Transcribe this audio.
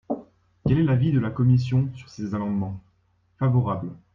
Quel est l’avis de la commission sur ces amendements ? Favorable.